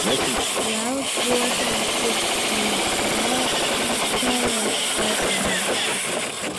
VēI, protams, tu un Verfels, kas vēI?